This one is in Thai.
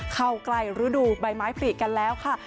เข้าใกล้ฤดูใบไม้ผลิกันแล้วค่ะ